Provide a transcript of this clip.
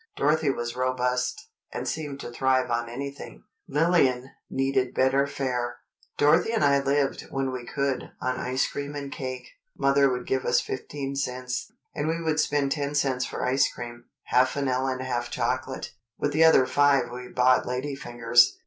Dorothy was robust, and seemed to thrive on anything; Lillian needed better fare. "Dorothy and I lived, when we could, on ice cream and cake. Mother would give us fifteen cents, and we would spend ten cents for ice cream, half vanilla and half chocolate. With the other five we bought lady fingers.